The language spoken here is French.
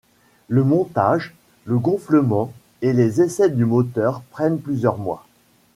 Le montage, le gonflement et les essais du moteur prennent plusieurs mois.